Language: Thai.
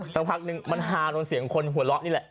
สักพักนึงมันฮาโดนเสียงคนหัวเราะนี่แหละ